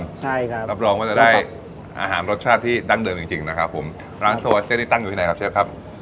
ใช่ครับรับรองว่าจะได้อาหารรสชาติที่ดั้งเดิมจริงจริงนะครับผมร้านโซวาเซนี่ตั้งอยู่ที่ไหนครับเชฟครับ